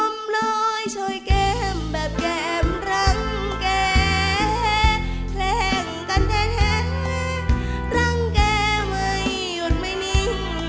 มันนี่อรุณแม่นี่